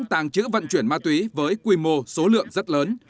tàng trữ vận chuyển ma túy với quy mô số lượng rất lớn